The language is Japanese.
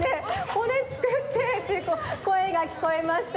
「骨つくって」ってこえがきこえました。